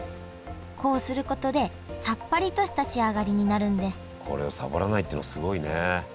こうすることでさっぱりとした仕上がりになるんですこれをサボらないっていうのはすごいね。